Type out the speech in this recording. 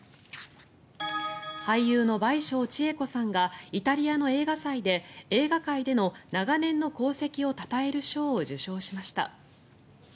俳優の倍賞千恵子さんがイタリアの映画祭で映画界での長年の功績をたたえる賞を受賞しました。